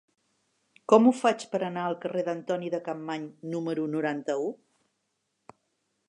Com ho faig per anar al carrer d'Antoni de Capmany número noranta-u?